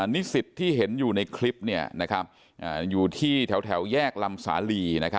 นิสิตที่เห็นอยู่ในคลิปอยู่ที่แถวแยกลำสาลี